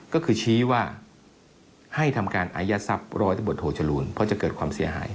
ก็คือชี้ว่าให้ทำการอายัดทรัพย์ร้อยตำรวจโทจรูนเพราะจะเกิดความเสียหาย